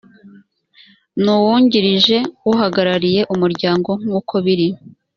n uwungirije uhagarariye umuryango nk uko biri